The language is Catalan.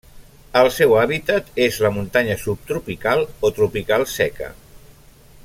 El seu hàbitat és la muntanya subtropical o tropical seca.